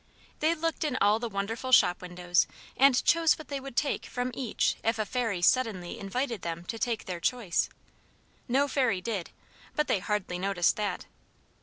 They looked in all the wonderful shop windows and "chose" what they would take from each if a fairy suddenly invited them to take their choice. No fairy did; but they hardly noticed that.